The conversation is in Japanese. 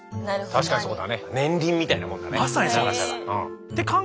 確かにそうだ！